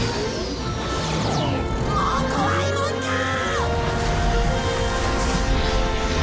もう怖いもんかー！